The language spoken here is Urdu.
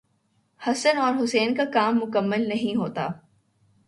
حسن اور حسین کا کام مکمل نہیں ہوتا۔